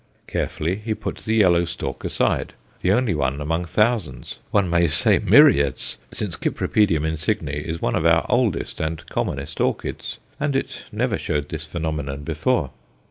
Carefully he put the yellow stalk aside the only one among thousands, one might say myriads, since C. insigne is one of our oldest and commonest orchids, and it never showed this phenomenon before.